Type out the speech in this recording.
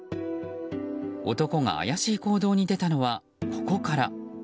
男が怪しい行動に出たのはここから。